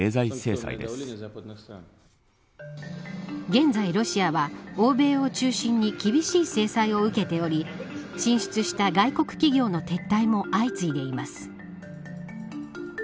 現在、ロシアは欧米を中心に厳しい制裁を受けており進出した外国企業の撤退も相次いでいます。